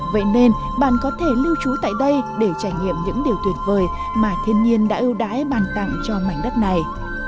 vậy nên bạn có thể lưu trú tại đây để trải nghiệm những điều tuyệt vời mà thiên nhiên đã ưu đãi bàn tặng cho mảnh đất này